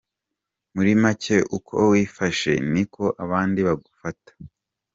Muri make uko wifashe niko abandi bagufata.